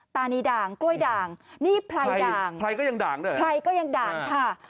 ตานีด่างกล้วยด่างนี่ไพรด่างใครก็ยังด่างด้วยใครก็ยังด่างค่ะ